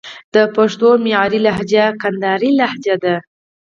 د پښتو معیاري لهجه کندهارۍ لجه ده